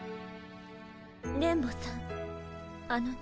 電ボさんあのね。